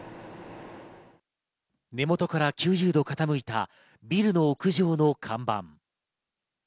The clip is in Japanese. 根元から９０度傾いたビルの屋上の看板。